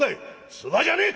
「唾じゃねえ！